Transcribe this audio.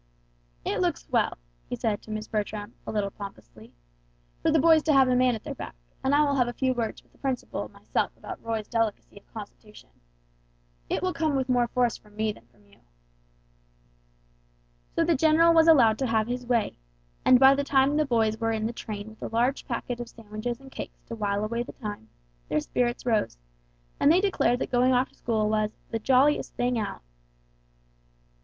"It looks well," he said to Miss Bertram, a little pompously; "for the boys to have a man at their back, and I will have a few words with the principal myself about Roy's delicacy of constitution. It will come with more force from me than from you." So the general was allowed to have his way, and by the time the boys were in the train with a large packet of sandwiches and cakes to while away the time, their spirits rose, and they declared that going off to school was "the jolliest thing out."